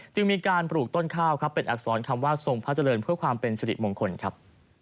จึงมีการปลูกต้นข้าวครับเป็นอักษรคำว่าทรงพระเจริญเพื่อความเป็นสิริมงคลครับ